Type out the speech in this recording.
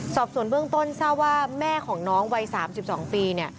สอบส่วนเบื้องต้นทราบว่าแม่ของน้องวัย๓๒ปี